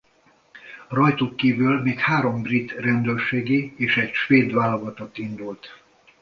Rajtuk kívül még három brit rendőrségi és egy svéd válogatott indult.